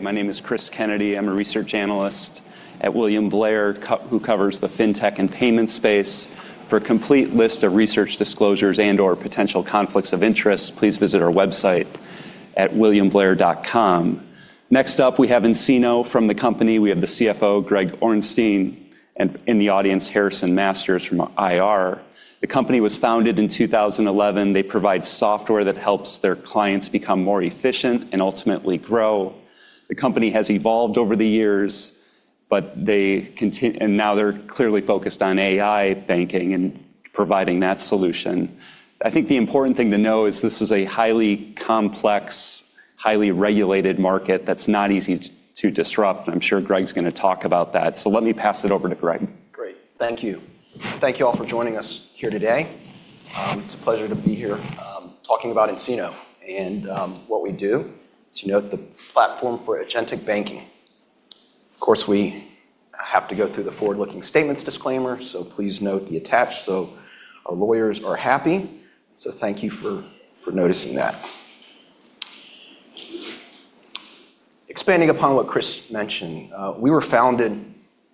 My name is Cris Kennedy. I'm a research analyst at William Blair, who covers the fintech and payment space. For a complete list of research disclosures and/or potential conflicts of interest, please visit our website at williamblair.com. Next up, we have nCino from the company. We have the CFO, Greg Orenstein, and in the audience, Harrison Masters from IR. The company was founded in 2011. They provide software that helps their clients become more efficient and ultimately grow. The company has evolved over the years, and now they're clearly focused on AI banking and providing that solution. I think the important thing to know is this is a highly complex, highly regulated market that's not easy to disrupt, and I'm sure Greg's going to talk about that. Let me pass it over to Greg. Great. Thank you. Thank you all for joining us here today. It's a pleasure to be here talking about nCino and what we do. As you know, the platform for agentic banking. Of course, we have to go through the forward-looking statements disclaimer, so please note the attached so our lawyers are happy. Thank you for noticing that. Expanding upon what Cris mentioned, we were founded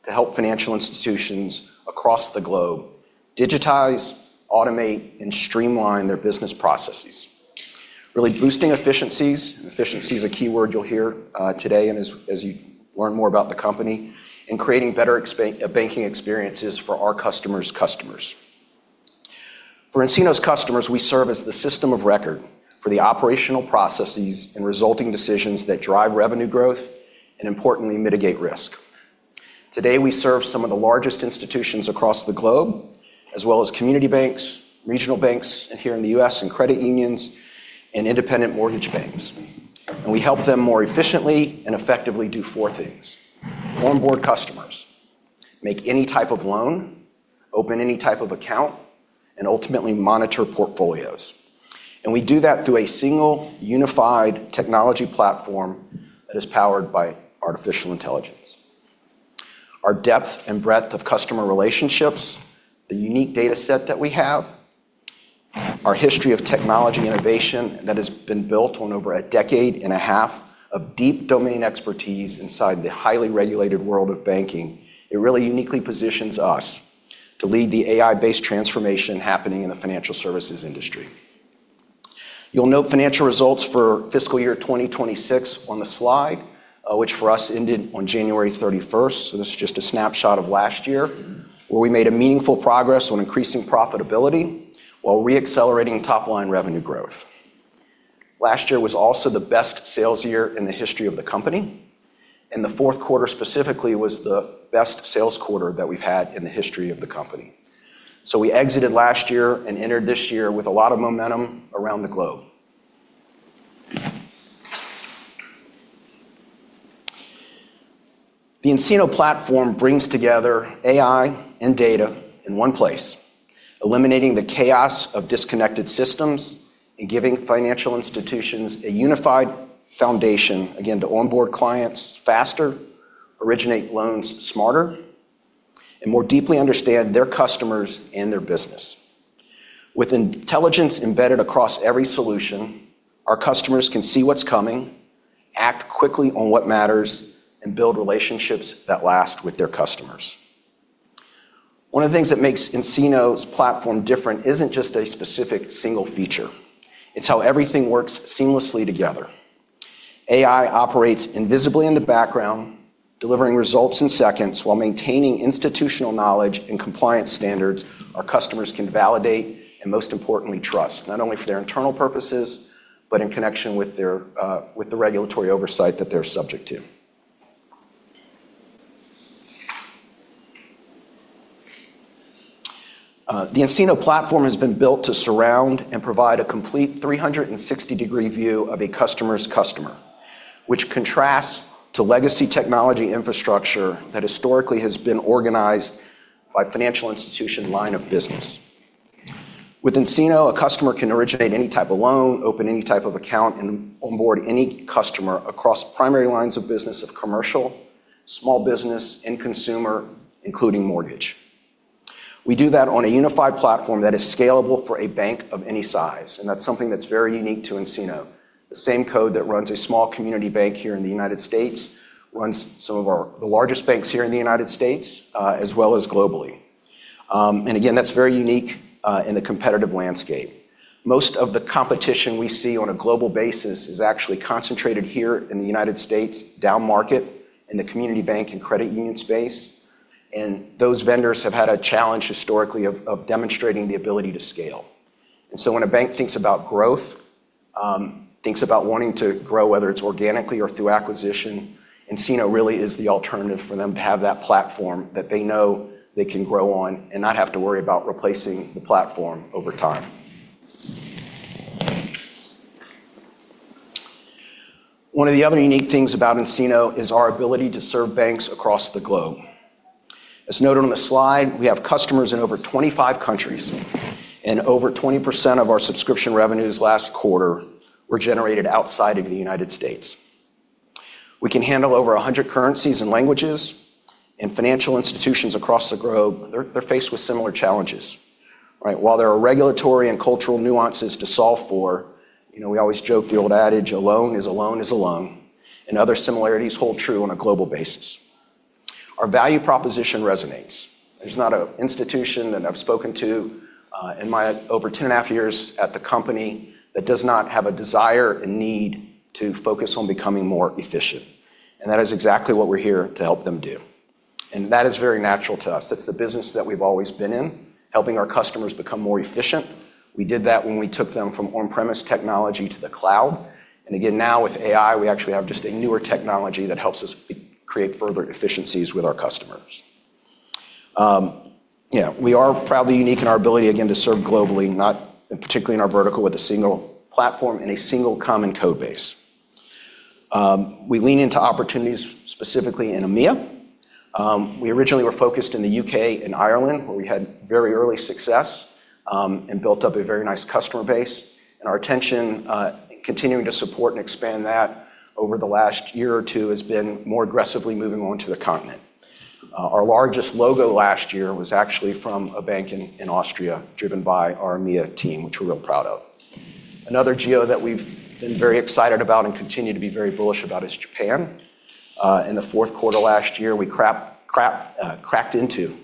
to help financial institutions across the globe digitize, automate, and streamline their business processes, really boosting efficiencies. Efficiency is a keyword you'll hear today and as you learn more about the company, and creating better banking experiences for our customers' customers. For nCino's customers, we serve as the system of record for the operational processes and resulting decisions that drive revenue growth, and importantly, mitigate risk. Today, we serve some of the largest institutions across the globe, as well as community banks, regional banks, here in the U.S., credit unions and independent mortgage banks. We help them more efficiently and effectively do four things: onboard customers, make any type of loan, open any type of account, and ultimately monitor portfolios. We do that through a single unified technology platform that is powered by artificial intelligence. Our depth and breadth of customer relationships, the unique data set that we have, our history of technology innovation that has been built on over a decade and a half of deep domain expertise inside the highly regulated world of banking, it really uniquely positions us to lead the AI-based transformation happening in the financial services industry. You'll note financial results for fiscal year 2026 on the slide, which for us ended on January 31st. This is just a snapshot of last year, where we made meaningful progress on increasing profitability while re-accelerating top-line revenue growth. Last year was also the best sales year in the history of the company, and the fourth quarter specifically was the best sales quarter that we've had in the history of the company. We exited last year and entered this year with a lot of momentum around the globe. The nCino platform brings together AI and data in one place, eliminating the chaos of disconnected systems and giving financial institutions a unified foundation, again, to onboard clients faster, originate loans smarter, and more deeply understand their customers and their business. With intelligence embedded across every solution, our customers can see what's coming, act quickly on what matters, and build relationships that last with their customers. One of the things that makes nCino's platform different isn't just a specific single feature. It's how everything works seamlessly together. AI operates invisibly in the background, delivering results in seconds while maintaining institutional knowledge and compliance standards our customers can validate and, most importantly, trust, not only for their internal purposes, but in connection with the regulatory oversight that they're subject to. The nCino platform has been built to surround and provide a complete 360-degree view of a customer's customer, which contrasts to legacy technology infrastructure that historically has been organized by financial institution line of business. With nCino, a customer can originate any type of loan, open any type of account, and onboard any customer across primary lines of business of commercial, small business, and consumer, including mortgage. We do that on a unified platform that is scalable for a bank of any size, and that's something that's very unique to nCino. The same code that runs a small community bank here in the U.S. runs some of the largest banks here in the U.S., as well as globally. Again, that's very unique in the competitive landscape. Most of the competition we see on a global basis is actually concentrated here in the U.S., down market in the community bank and credit union space. Those vendors have had a challenge historically of demonstrating the ability to scale. When a bank thinks about growth, thinks about wanting to grow, whether it's organically or through acquisition, nCino really is the alternative for them to have that platform that they know they can grow on and not have to worry about replacing the platform over time. One of the other unique things about nCino is our ability to serve banks across the globe. As noted on the slide, we have customers in over 25 countries, and over 20% of our subscription revenues last quarter were generated outside of the U.S. We can handle over 100 currencies and languages. Financial institutions across the globe, they're faced with similar challenges. While there are regulatory and cultural nuances to solve for, we always joke the old adage, "A loan is a loan is a loan," and other similarities hold true on a global basis. Our value proposition resonates. There's not an institution that I've spoken to in my over 10.5 Years at the company that does not have a desire and need to focus on becoming more efficient. That is exactly what we're here to help them do. That is very natural to us. That's the business that we've always been in, helping our customers become more efficient. We did that when we took them from on-premise technology to the cloud. Again, now with AI, we actually have just a newer technology that helps us create further efficiencies with our customers. We are proudly unique in our ability, again, to serve globally, and particularly in our vertical with a single platform and a single common code base. We lean into opportunities specifically in EMEA. We originally were focused in the U.K. and Ireland, where we had very early success and built up a very nice customer base. Our attention, continuing to support and expand that over the last year or two, has been more aggressively moving on to the continent. Our largest logo last year was actually from a bank in Austria driven by our EMEA team, which we're real proud of. Another geo that we've been very excited about and continue to be very bullish about is Japan. In the fourth quarter last year, we cracked into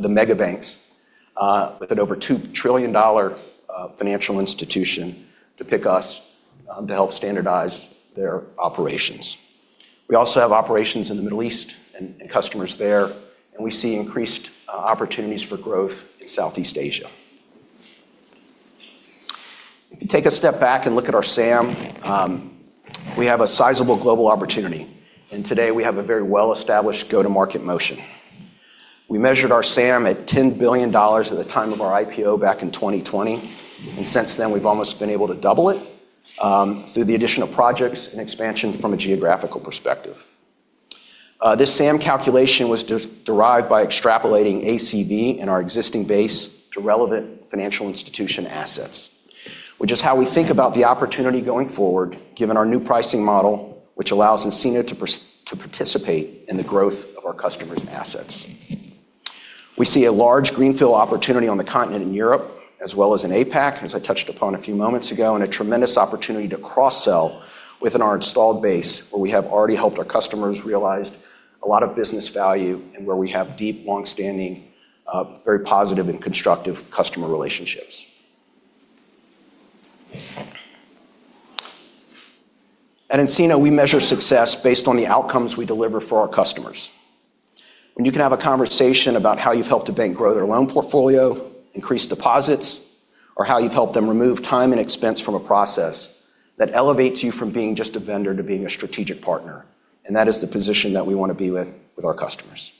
the mega banks with an over $2 trillion financial institution to pick us to help standardize their operations. We also have operations in the Middle East and customers there, and we see increased opportunities for growth in Southeast Asia. If you take a step back and look at our SAM, we have a sizable global opportunity. Today, we have a very well-established go-to-market motion. We measured our SAM at $10 billion at the time of our IPO back in 2020. Since then, we've almost been able to double it through the addition of projects and expansions from a geographical perspective. This SAM calculation was derived by extrapolating ACV and our existing base to relevant financial institution assets, which is how we think about the opportunity going forward given our new pricing model, which allows nCino to participate in the growth of our customers' assets. We see a large greenfield opportunity on the continent in Europe as well as in APAC, as I touched upon a few moments ago, and a tremendous opportunity to cross-sell within our installed base where we have already helped our customers realized a lot of business value and where we have deep, longstanding, very positive, and constructive customer relationships. At nCino, we measure success based on the outcomes we deliver for our customers. When you can have a conversation about how you've helped a bank grow their loan portfolio, increase deposits, or how you've helped them remove time and expense from a process, that elevates you from being just a vendor to being a strategic partner. That is the position that we want to be with our customers.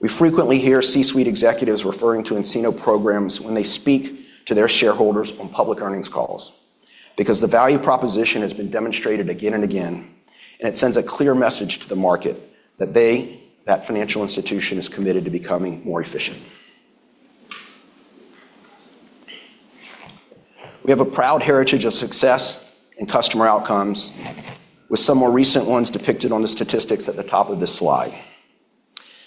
We frequently hear C-suite referring to nCino when they speak to their shareholders on public earnings calls because the value proposition has been demonstrated again and again, it sends a clear message to the market that they, that financial institution, is committed to becoming more efficient. We have a proud heritage of success in customer outcomes with some more recent ones depicted on the statistics at the top of this slide.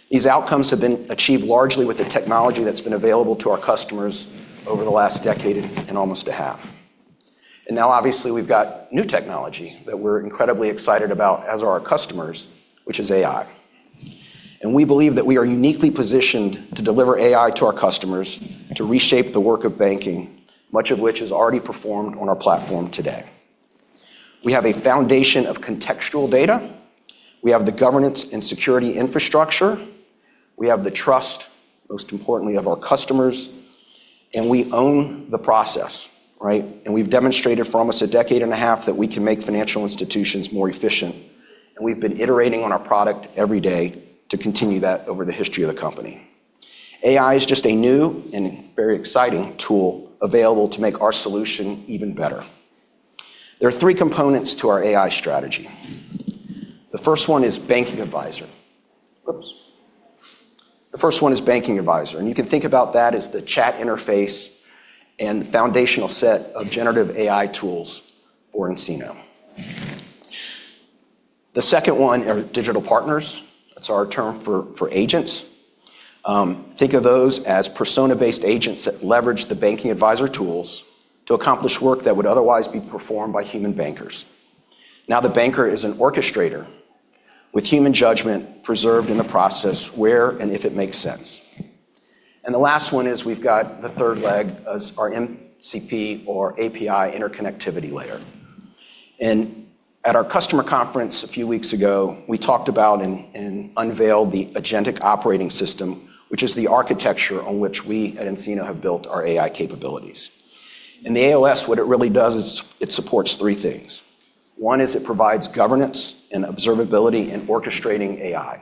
These outcomes have been achieved largely with the technology that's been available to our customers over the last decade and almost a half. Now obviously we've got new technology that we're incredibly excited about, as are our customers, which is AI. We believe that we are uniquely positioned to deliver AI to our customers to reshape the work of banking, much of which is already performed on our platform today. We have a foundation of contextual data. We have the governance and security infrastructure. We have the trust, most importantly, of our customers. We own the process, right? We've demonstrated for almost a decade and a half that we can make financial institutions more efficient. We've been iterating on our product every day to continue that over the history of the company. AI is just a new and very exciting tool available to make our solution even better. There are three components to our AI strategy. The first one is Banking Advisor. Whoops. The first one is Banking Advisor, and you can think about that as the chat interface and the foundational set of generative AI tools for nCino. The second one are Digital Partners. That's our term for agents. Think of those as persona-based agents that leverage the Banking Advisor tools to accomplish work that would otherwise be performed by human bankers. Now, the banker is an orchestrator with human judgment preserved in the process where and if it makes sense. The last one is we've got the third leg as our MCP or API interconnectivity layer. At our customer conference a few weeks ago, we talked about and unveiled the Agentic Operating System, which is the architecture on which we at nCino have built our AI capabilities. The AOS, what it really does is it supports three things. One is it provides governance and observability in orchestrating AI.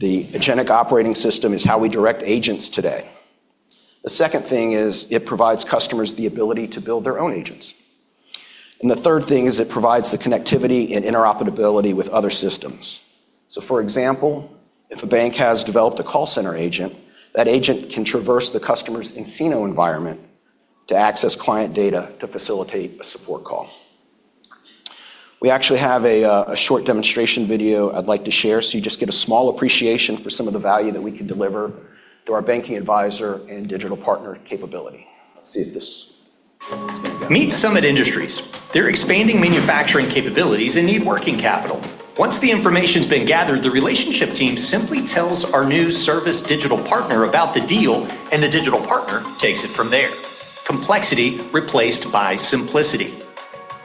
The Agentic Operating System is how we direct agents today. The second thing is it provides customers the ability to build their own agents. The third thing is it provides the connectivity and interoperability with other systems. For example, if a bank has developed a call center agent, that agent can traverse the customer's nCino environment to access client data to facilitate a support call. We actually have a short demonstration video I'd like to share so you just get a small appreciation for some of the value that we can deliver through our Banking Advisor and Digital Partner capability. Let's see if this is going to go. Meet Summit Industries. They're expanding manufacturing capabilities and need working capital. Once the information's been gathered, the relationship team simply tells our new Service Digital Partner about the deal. The Digital Partner takes it from there. Complexity replaced by simplicity.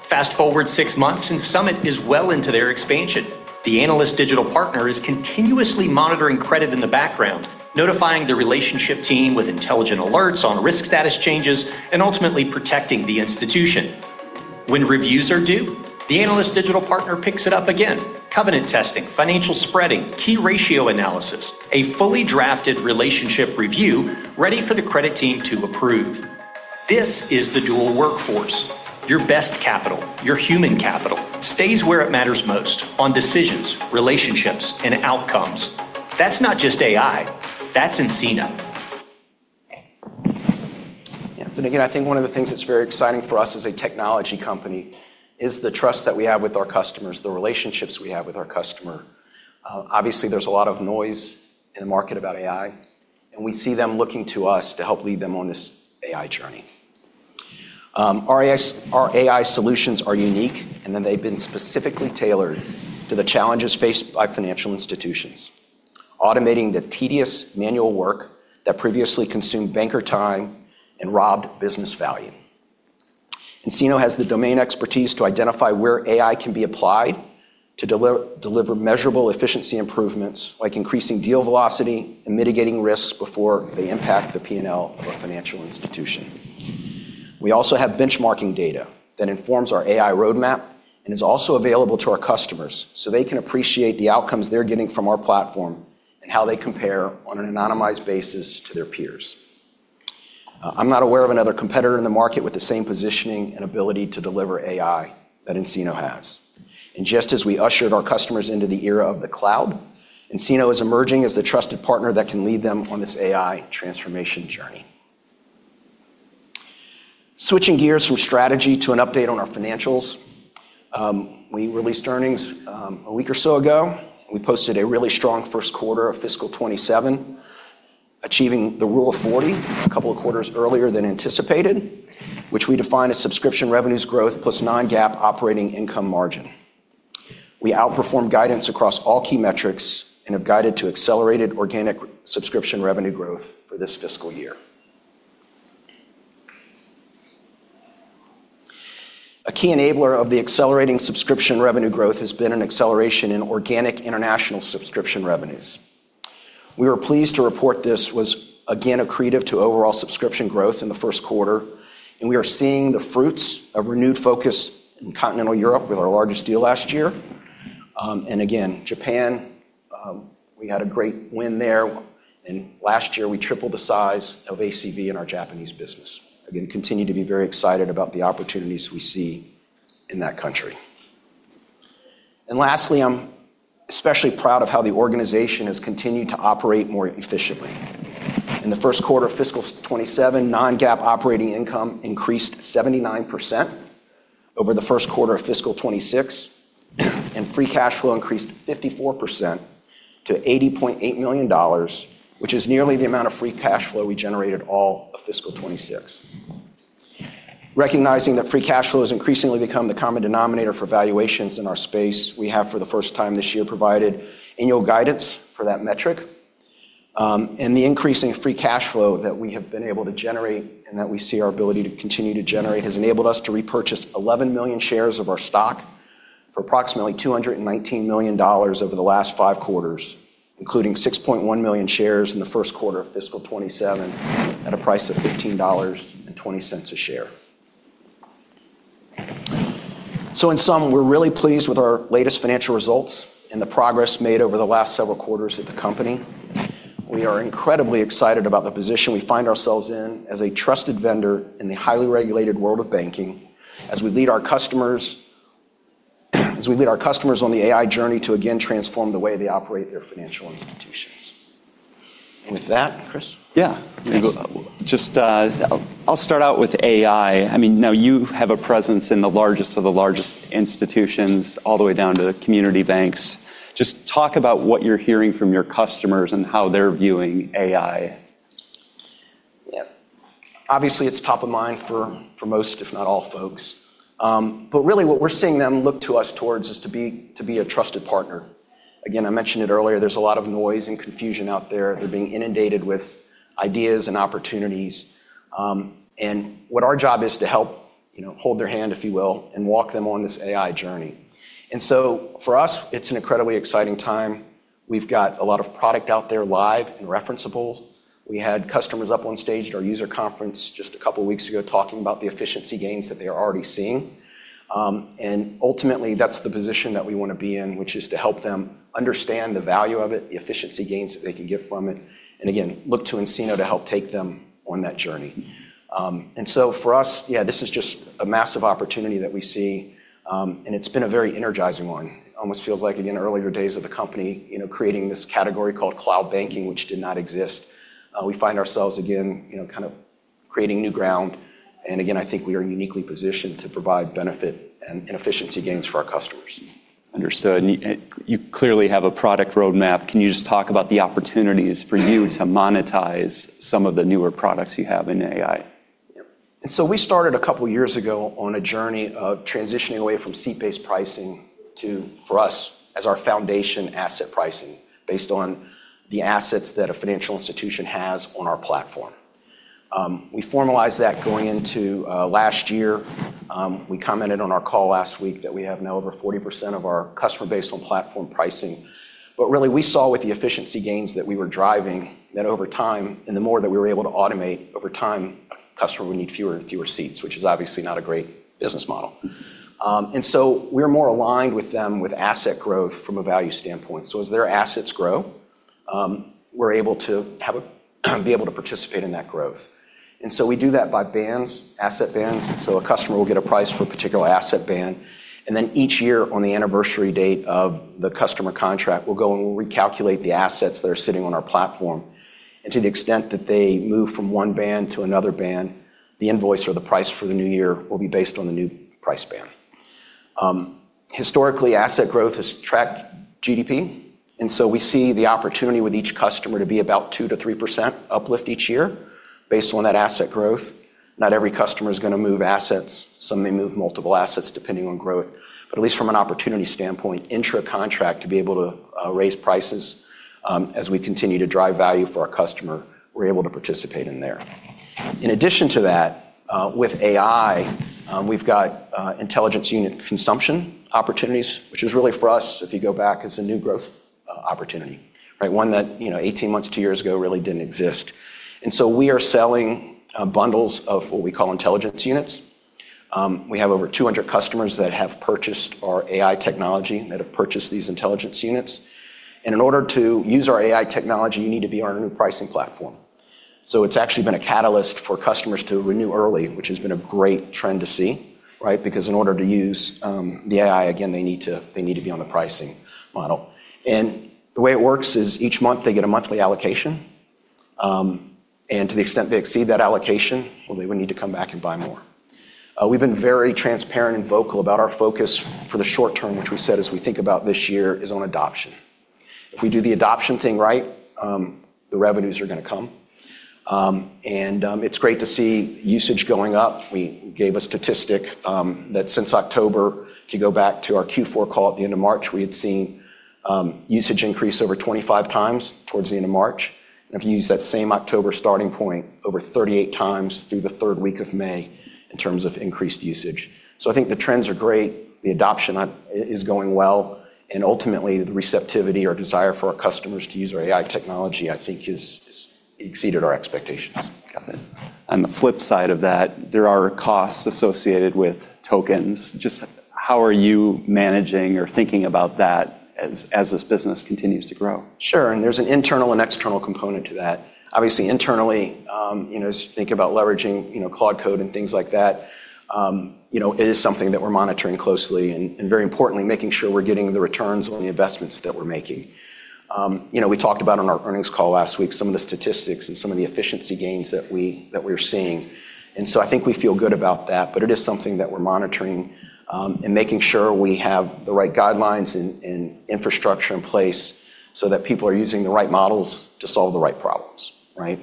Fast-forward six months. Summit is well into their expansion. The Analyst Digital Partner is continuously monitoring credit in the background, notifying the relationship team with intelligent alerts on risk status changes, and ultimately protecting the institution. When reviews are due, the Analyst Digital Partner picks it up again. Covenant testing, financial spreading, key ratio analysis, a fully drafted relationship review ready for the credit team to approve. This is the dual workforce. Your best capital, your human capital, stays where it matters most, on decisions, relationships, and outcomes. That's not just AI, that's nCino. Yeah. Again, I think one of the things that's very exciting for us as a technology company is the trust that we have with our customers, the relationships we have with our customer. Obviously, there's a lot of noise in the market about AI. We see them looking to us to help lead them on this AI journey. Our AI solutions are unique. They've been specifically tailored to the challenges faced by financial institutions, automating the tedious manual work that previously consumed banker time and robbed business value. nCino has the domain expertise to identify where AI can be applied to deliver measurable efficiency improvements, like increasing deal velocity and mitigating risks before they impact the P&L of a financial institution. We also have benchmarking data that informs our AI roadmap and is also available to our customers so they can appreciate the outcomes they're getting from our platform and how they compare on an anonymized basis to their peers. I'm not aware of another competitor in the market with the same positioning and ability to deliver AI that nCino has. Just as we ushered our customers into the era of the cloud, nCino is emerging as the trusted partner that can lead them on this AI transformation journey. Switching gears from strategy to an update on our financials. We released earnings a week or so ago. We posted a really strong first quarter of fiscal 2027, achieving the Rule of 40 a couple of quarters earlier than anticipated, which we define as subscription revenues growth plus non-GAAP operating income margin. We outperformed guidance across all key metrics and have guided to accelerated organic subscription revenue growth for this fiscal year. A key enabler of the accelerating subscription revenue growth has been an acceleration in organic international subscription revenues. We were pleased to report this was again accretive to overall subscription growth in the first quarter, and we are seeing the fruits of renewed focus in continental Europe with our largest deal last year. Again, Japan, we had a great win there, and last year we tripled the size of ACV in our Japanese business. Again, continue to be very excited about the opportunities we see in that country. Lastly, I'm especially proud of how the organization has continued to operate more efficiently. In the first quarter of fiscal 2027, non-GAAP operating income increased 79% over the first quarter of fiscal 2026, and free cash flow increased 54% to $80.8 million, which is nearly the amount of free cash flow we generated all of fiscal 2026. Recognizing that free cash flow has increasingly become the common denominator for valuations in our space, we have, for the first time this year, provided annual guidance for that metric. The increasing free cash flow that we have been able to generate and that we see our ability to continue to generate has enabled us to repurchase 11 million shares of our stock for approximately $219 million over the last five quarters, including 6.1 million shares in the first quarter of fiscal 2027 at a price of $15.20 a share. In sum, we're really pleased with our latest financial results and the progress made over the last several quarters at the company. We are incredibly excited about the position we find ourselves in as a trusted vendor in the highly regulated world of banking as we lead our customers on the AI journey to again transform the way they operate their financial institutions. With that, Cris. Yeah. Yes. I'll start out with AI. Now you have a presence in the largest of the largest institutions, all the way down to community banks. Just talk about what you're hearing from your customers and how they're viewing AI. Yeah. Obviously, it's top of mind for most, if not all, folks. Really what we're seeing them look to us towards is to be a trusted partner. Again, I mentioned it earlier, there's a lot of noise and confusion out there. They're being inundated with ideas and opportunities, what our job is to help hold their hand, if you will, and walk them on this AI journey. For us, it's an incredibly exciting time. We've got a lot of product out there live and referenceable. We had customers up on stage at our user conference just a couple of weeks ago talking about the efficiency gains that they are already seeing. Ultimately, that's the position that we want to be in, which is to help them understand the value of it, the efficiency gains that they can get from it, again, look to nCino to help take them on that journey. For us, yeah, this is just a massive opportunity that we see. It's been a very energizing one. Almost feels like, again, earlier days of the company, creating this category called cloud banking, which did not exist. We find ourselves again, creating new ground. Again, I think we are uniquely positioned to provide benefit and efficiency gains for our customers. Understood. You clearly have a product roadmap. Can you just talk about the opportunities for you to monetize some of the newer products you have in AI? Yeah. We started a couple of years ago on a journey of transitioning away from seat-based pricing to, for us, as our foundation asset pricing, based on the assets that a financial institution has on our platform. We formalized that going into last year. We commented on our call last week that we have now over 40% of our customer base on platform pricing. Really, we saw with the efficiency gains that we were driving, that over time, and the more that we were able to automate over time, customer would need fewer and fewer seats, which is obviously not a great business model. We are more aligned with them with asset growth from a value standpoint. As their assets grow, we're able to participate in that growth. We do that by bands, asset bands, and so a customer will get a price for a particular asset band, and then each year on the anniversary date of the customer contract, we'll go and we'll recalculate the assets that are sitting on our platform. To the extent that they move from one band to another band, the invoice or the price for the new year will be based on the new price band. Historically, asset growth has tracked GDP, and so we see the opportunity with each customer to be about 2%-3% uplift each year based on that asset growth. Not every customer's going to move assets. Some may move multiple assets depending on growth. At least from an opportunity standpoint, intra-contract to be able to raise prices as we continue to drive value for our customer, we're able to participate in there. In addition to that, with AI, we've got Intelligence Unit consumption opportunities, which is really for us, if you go back, is a new growth opportunity, right? One that 18 months, two years ago really didn't exist. We are selling bundles of what we call Intelligence Units. We have over 200 customers that have purchased our AI technology, that have purchased these Intelligence Units. In order to use our AI technology, you need to be on our new pricing platform. It's actually been a catalyst for customers to renew early, which has been a great trend to see, right? Because in order to use the AI, again, they need to be on the pricing model. The way it works is each month they get a monthly allocation. To the extent they exceed that allocation, well, they would need to come back and buy more. We've been very transparent and vocal about our focus for the short term, which we said as we think about this year, is on adoption. If we do the adoption thing right, the revenues are going to come. It's great to see usage going up. We gave a statistic that since October, if you go back to our Q4 call at the end of March, we had seen usage increase over 25 times towards the end of March. If you use that same October starting point, over 38 times through the third week of May in terms of increased usage. I think the trends are great. The adoption is going well, and ultimately the receptivity or desire for our customers to use our AI technology, I think has exceeded our expectations. Got it. On the flip side of that, there are costs associated with tokens. Just how are you managing or thinking about that as this business continues to grow? Sure. There's an internal and external component to that. Obviously, internally, think about leveraging cloud code and things like that. It is something that we're monitoring closely, and very importantly, making sure we're getting the returns on the investments that we're making. We talked about on our earnings call last week, some of the statistics and some of the efficiency gains that we're seeing. So I think we feel good about that, but it is something that we're monitoring, and making sure we have the right guidelines and infrastructure in place so that people are using the right models to solve the right problems. Right?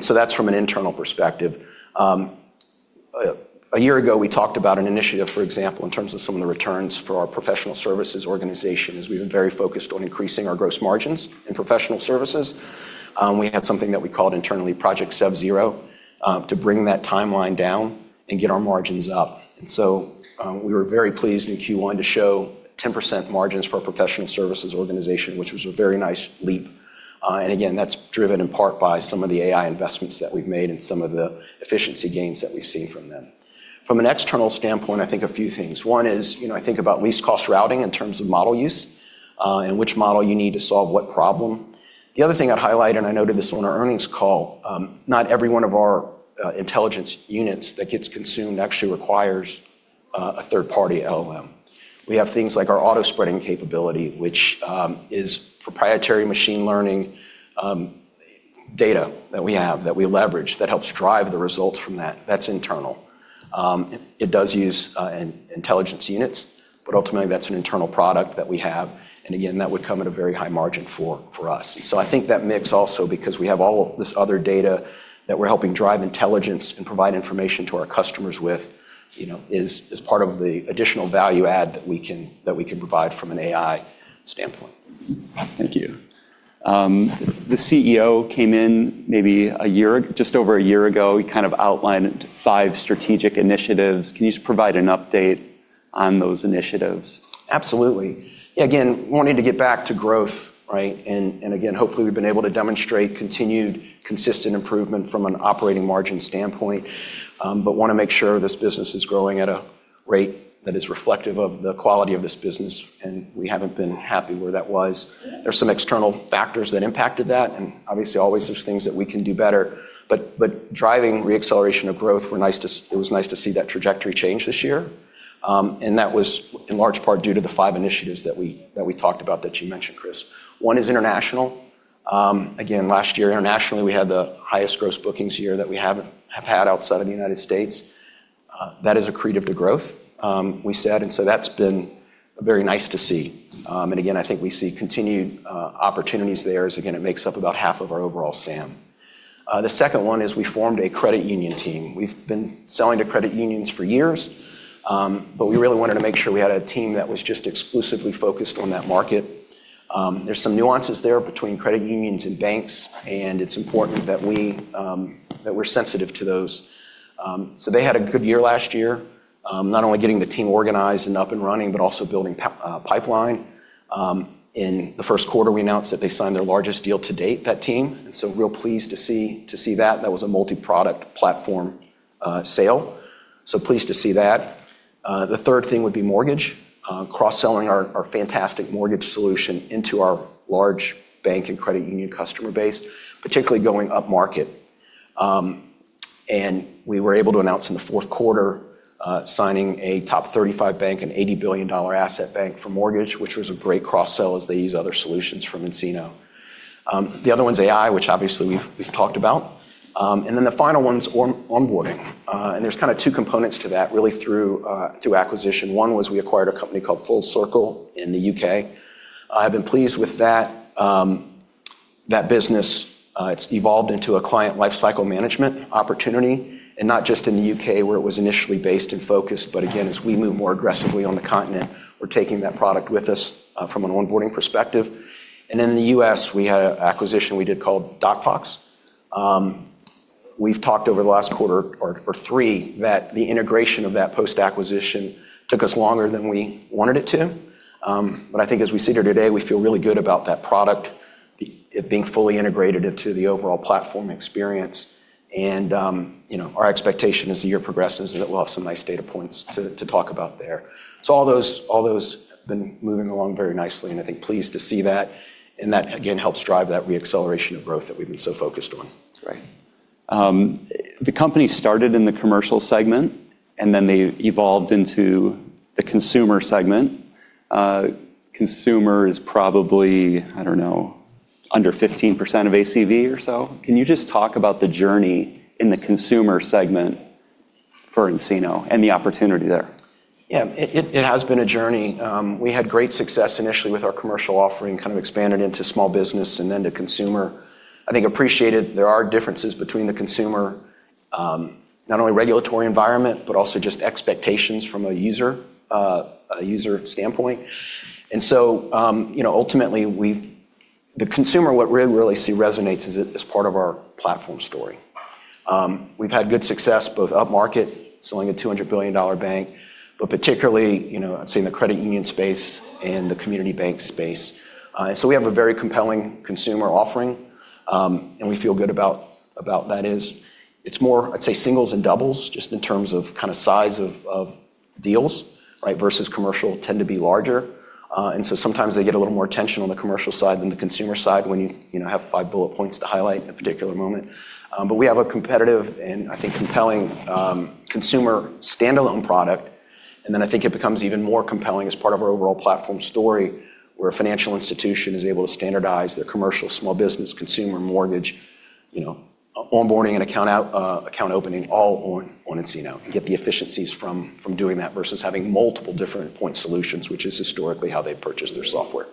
So that's from an internal perspective. A year ago we talked about an initiative, for example, in terms of some of the returns for our professional services organization, as we've been very focused on increasing our gross margins in professional services. We had something that we called internally Project Sub Zero, to bring that timeline down and get our margins up. We were very pleased in Q1 to show 10% margins for our professional services organization, which was a very nice leap. Again, that's driven in part by some of the AI investments that we've made and some of the efficiency gains that we've seen from them. From an external standpoint, I think a few things. One is, I think about least cost routing in terms of model use, and which model you need to solve what problem. The other thing I'd highlight, and I noted this on our earnings call, not every one of our Intelligence Units that gets consumed actually requires a third-party LLM. We have things like our Automated Spreading, which is proprietary machine learning data that we have, that we leverage, that helps drive the results from that. That's internal. It does use Intelligence Units, but ultimately that's an internal product that we have. Again, that would come at a very high margin for us. I think that mix also, because we have all of this other data that we're helping drive intelligence and provide information to our customers with, is part of the additional value add that we can provide from an AI standpoint. Thank you. The CEO came in maybe just over a year ago. He kind of outlined five strategic initiatives. Can you just provide an update on those initiatives? Absolutely. Again, wanting to get back to growth, right? Again, hopefully we've been able to demonstrate continued consistent improvement from an operating margin standpoint. Want to make sure this business is growing at a rate that is reflective of the quality of this business, and we haven't been happy where that was. There's some external factors that impacted that, and obviously always there's things that we can do better. Driving re-acceleration of growth, it was nice to see that trajectory change this year. That was in large part due to the five initiatives that we talked about, that you mentioned, Cris. One is international. Again, last year internationally, we had the highest gross bookings year that we have had outside of the United States. That is accretive to growth, we said, that's been very nice to see. Again, I think we see continued opportunities there, as again, it makes up about half of our overall SAM. The second one is we formed a credit union team. We've been selling to credit unions for years. We really wanted to make sure we had a team that was just exclusively focused on that market. There's some nuances there between credit unions and banks, and it's important that we're sensitive to those. They had a good year last year, not only getting the team organized and up and running, but also building pipeline. In the first quarter, we announced that they signed their largest deal to date, that team, so real pleased to see that. That was a multi-product platform sale. Pleased to see that. The third thing would be mortgage, cross-selling our fantastic mortgage solution into our large bank and credit union customer base, particularly going up market. We were able to announce in the fourth quarter, signing a top 35 bank and $80 billion asset bank for mortgage, which was a great cross-sell as they use other solutions from nCino. The other one's AI, which obviously we've talked about. The final one's onboarding. There's two components to that really through acquisition. One was we acquired a company called FullCircl in the U.K. I've been pleased with that. That business, it's evolved into a client lifecycle management opportunity, not just in the U.K. Where it was initially based and focused, but again, as we move more aggressively on the continent, we're taking that product with us, from an onboarding perspective. In the U.S., we had an acquisition we did called DocFox. We've talked over the last quarter or three that the integration of that post-acquisition took us longer than we wanted it to. I think as we sit here today, we feel really good about that product, it being fully integrated into the overall platform experience. Our expectation as the year progresses is that we'll have some nice data points to talk about there. All those have been moving along very nicely and I think pleased to see that. That, again, helps drive that re-acceleration of growth that we've been so focused on. Great. The company started in the commercial segment, and then they evolved into the consumer segment. Consumer is probably, I don't know, under 15% of ACV or so. Can you just talk about the journey in the consumer segment for nCino and the opportunity there? Yeah. It has been a journey. We had great success initially with our commercial offering, expanded into small business and then to consumer. I think appreciated there are differences between the consumer, not only regulatory environment, but also just expectations from a user standpoint. Ultimately the consumer, what we really see resonates is it as part of our platform story. We've had good success both up market selling a $200 billion bank, but particularly, I'd say in the credit union space and the community bank space. We have a very compelling consumer offering. We feel good about that is it's more, I'd say singles and doubles just in terms of size of deals, right, versus commercial tend to be larger. Sometimes they get a little more attention on the commercial side than the consumer side when you have five bullet points to highlight in a particular moment. We have a competitive and I think compelling consumer standalone product. I think it becomes even more compelling as part of our overall platform story, where a financial institution is able to standardize their commercial small business consumer mortgage, onboarding and account opening all on nCino and get the efficiencies from doing that versus having multiple different point solutions, which is historically how they purchased their software.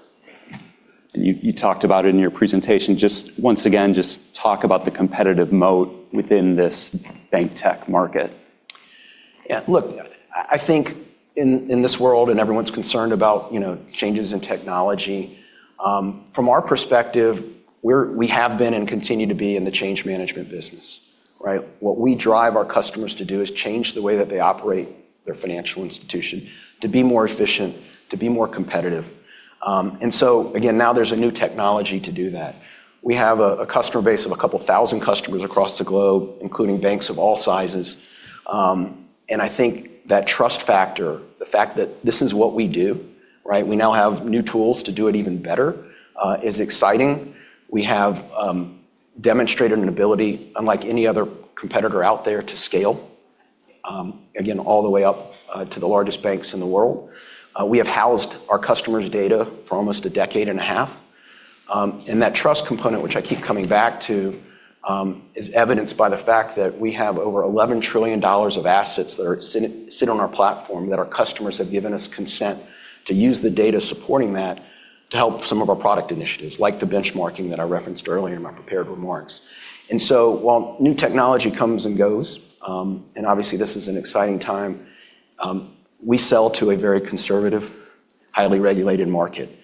You talked about it in your presentation, just once again, just talk about the competitive moat within this bank tech market. Yeah. Look, I think in this world, everyone's concerned about changes in technology. From our perspective, we have been and continue to be in the change management business, right? What we drive our customers to do is change the way that they operate their financial institution to be more efficient, to be more competitive. Again, now there's a new technology to do that. We have a customer base of a couple of thousand customers across the globe, including banks of all sizes. I think that trust factor, the fact that this is what we do, right, we now have new tools to do it even better, is exciting. We have demonstrated an ability, unlike any other competitor out there, to scale, again, all the way up to the largest banks in the world. We have housed our customers' data for almost a decade and a half. That trust component, which I keep coming back to, is evidenced by the fact that we have over $11 trillion of assets that sit on our platform that our customers have given us consent to use the data supporting that to help some of our product initiatives, like the benchmarking that I referenced earlier in my prepared remarks. While new technology comes and goes, and obviously this is an exciting time, we sell to a very conservative, highly regulated market.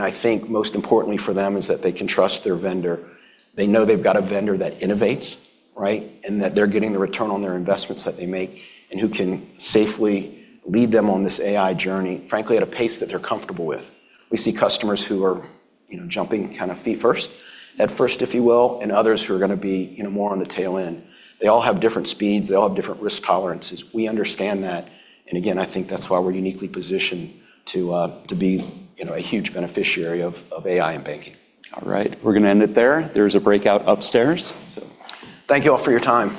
I think most importantly for them is that they can trust their vendor. They know they've got a vendor that innovates, right, and that they're getting the return on their investments that they make and who can safely lead them on this AI journey, frankly, at a pace that they're comfortable with. We see customers who are jumping feet first head first, if you will, and others who are going to be more on the tail end. They all have different speeds. They all have different risk tolerances. We understand that. Again, I think that's why we're uniquely positioned to be a huge beneficiary of AI in banking. All right. We're going to end it there. There's a breakout upstairs. Thank you all for your time.